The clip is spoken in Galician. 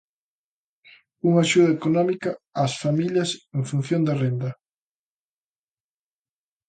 Unha axuda económica ás familias en función da renda.